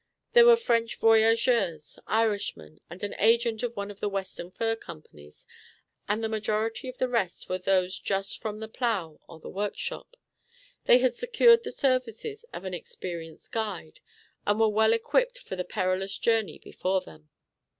There were French voyageurs, Irishmen, and an agent of one of the western fur companies, and the majority of the rest were those just from the plow or the workshop. They had secured the services of an experienced guide, and were well equipped for the perilous journey before them.